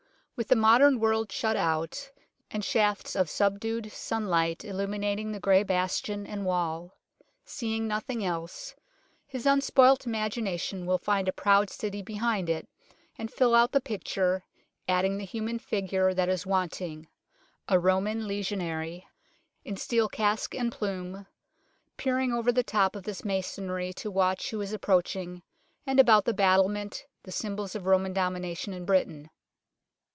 With the modern world shut out and shafts of subdued sunlight illuminating the grey bastion and wall, seeing nothing else, his unspoilt imagina tion will find a proud city behind it, and fill out the picture, adding the human figure that is wanting a Roman legionary, in steel casque and plume, peering over the top of this masonry to watch who is approaching, and about the battlement the symbols of Roman domination in Britain.